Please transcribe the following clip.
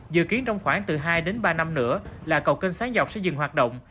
dự kiến trong khoảng từ hai đến ba năm nữa là cầu kênh sáng dọc sẽ dừng hoạt động